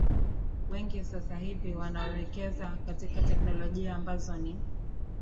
wengi sasa hivi wanawekeza katika technologia ambazo ni